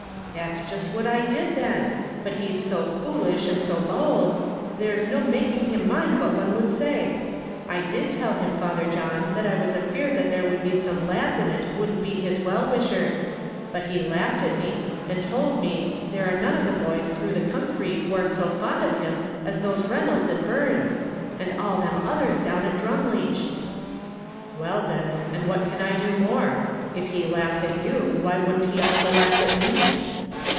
"That's jist what I did then; but he's so foolish, and so bowld, there's no making him mind what one would say. I did tell him, Father John, that I was afeared that there would be some lads in it wouldn't be his well wishers. But he laughed at me, and towld me there were none of the boys through the counthry war so fond of him as those Reynoldses and Byrnes, and all them others down at Drumleesh." "Well, Denis, and what can I do more; if he laughs at you, why wouldn't he also laugh at me?"